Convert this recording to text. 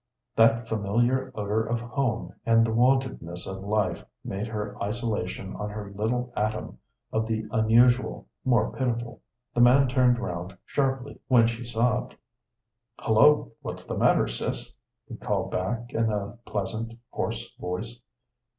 That familiar odor of home and the wontedness of life made her isolation on her little atom of the unusual more pitiful. The man turned round sharply when she sobbed. "Hullo! what's the matter, sis?" he called back, in a pleasant, hoarse voice.